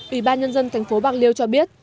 ủy ban nhân dân thành phố bạc liêu cho biết